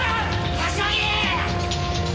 柏木！